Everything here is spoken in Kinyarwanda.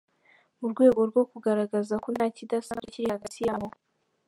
Mu rwego rwo kugaragaza ko ntakidasanzwe kiri hagati yabo.